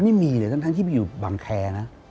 ไม่มีเลยทั้งที่อยู่บางแคร